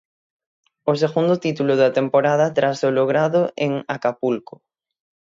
O segundo título da temporada tras o logrado en Acapulco.